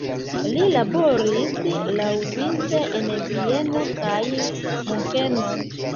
Li laboris laŭvice en Vieno kaj Munkeno.